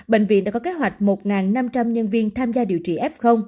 bệnh viện đã có kế hoạch một năm trăm linh nhân viên tham gia điều trị f